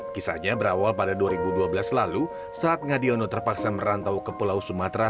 kisahnya berawal pada dua ribu dua belas lalu saat ngadiono terpaksa merantau ke pulau sumatera